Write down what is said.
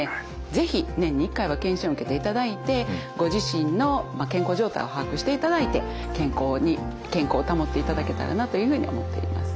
是非年に１回は健診を受けていただいてご自身の健康状態を把握していただいて健康を保っていただけたらなというふうに思っています。